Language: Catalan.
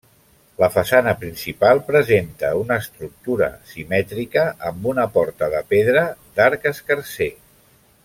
La façana principal presenta una estructura simètrica, amb una porta de pedra d'arc escarser.